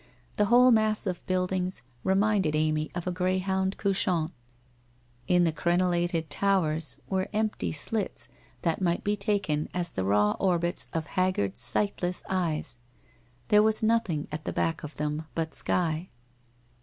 The whole mass of buildings reminded Amy of a grey hound couchant. In the crenellated towers were empty slits that might be taken as the raw orbits of haggard sightless eyes, there was nothing at the back of them but sky.